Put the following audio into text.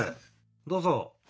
どうぞ。